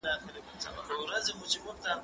زه پرون سندري اورم وم!؟